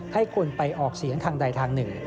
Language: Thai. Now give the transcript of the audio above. ให้คนไปออกเสียงทางใดทางหนึ่ง